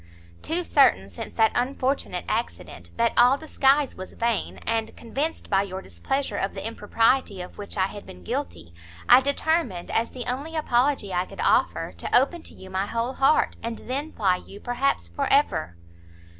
"Too certain, since that unfortunate accident, that all disguise was vain, and convinced by your displeasure of the impropriety of which I had been guilty, I determined, as the only apology I could offer, to open to you my whole heart, and then fly you perhaps for ever.